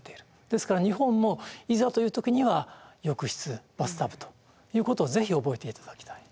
ですから日本もいざという時には浴室バスタブということを是非覚えていただきたい。